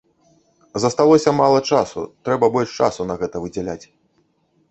Засталося мала часу, трэба больш часу на гэта выдзяляць.